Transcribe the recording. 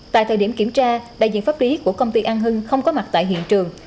tại thời điểm kiểm tra đại diện pháp lý của công ty an hưng không có mặt tại hiện trường